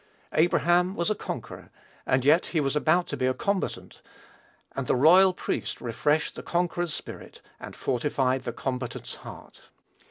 Abraham was a conqueror, and yet he was about to be a combatant, and the royal priest refreshed the conqueror's spirit, and fortified the combatant's heart.